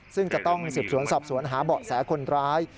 ซึ่งจะต้องสืบสวนสอบสวนหาเบาะแสคนร้าย